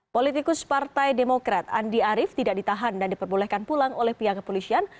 politikus partai demokrat andi arief tidak ditahan dan diperbolehkan pulang oleh pihak kepolisian